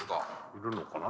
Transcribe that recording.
いるのかな？